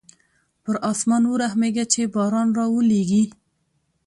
په اسمان ورحمېږه چې باران راولېږي.